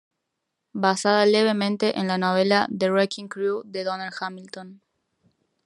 Basada levemente en la novela "The Wrecking Crew" de Donald Hamilton.